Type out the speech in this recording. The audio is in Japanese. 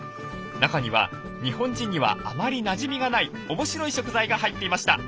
中には日本人にはあまりなじみがない面白い食材が入っていました。